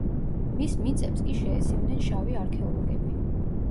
მის მიწებს კი შეესივნენ „შავი არქეოლოგები“.